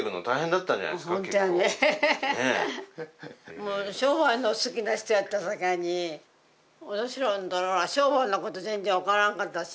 もう商売の好きな人やったさかいに私らなんて商売のこと全然分からんかったしね